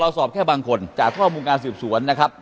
สอบแค่บางคนจากข้อมูลการสืบสวนนะครับ